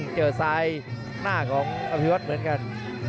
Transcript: เจอซ้ายหน้าของอภิวัตรเหมือนกัน